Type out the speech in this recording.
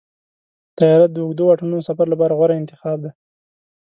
طیاره د اوږدو واټنونو سفر لپاره غوره انتخاب دی.